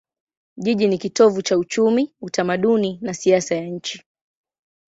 Jiji ni kitovu cha uchumi, utamaduni na siasa ya nchi.